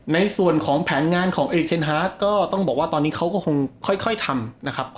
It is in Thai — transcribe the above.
ในส่วนของแผนงานของเอริกเทนฮาร์กก็ต้องบอกว่าตอนนี้เขาก็คงค่อยทำนะครับ